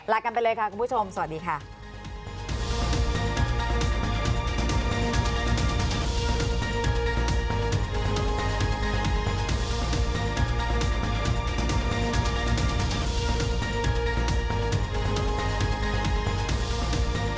ลากันไปเลยค่ะคุณผู้ชมสวัสดีค่ะ